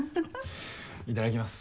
いただきます。